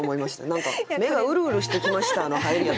「何か目がうるうるしてきました」の入りやった。